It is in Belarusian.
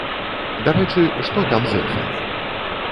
Дарэчы, што там з эльфамі?